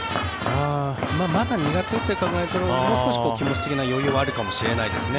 まだ２月と考えるともう少し気持ち的な余裕はあるかもしれないですね。